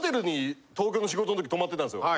東京の仕事のとき泊まってたんですよ。